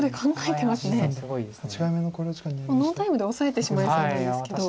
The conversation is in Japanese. ノータイムでオサえてしまいそうなんですけど。